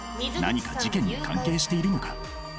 何か事件に関係しているのか？